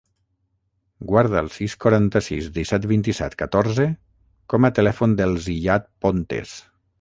Guarda el sis, quaranta-sis, disset, vint-i-set, catorze com a telèfon del Ziyad Pontes.